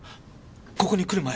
ここに来る前